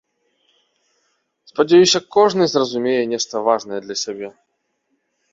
Спадзяюся кожны зразумее нешта важнае для сябе.